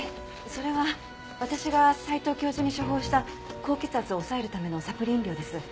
それは私が斎藤教授に処方した高血圧を抑えるためのサプリ飲料です。